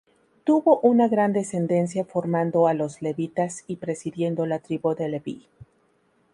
Tuvo una gran descendencia formando a los levitas y presidiendo la Tribu de Leví.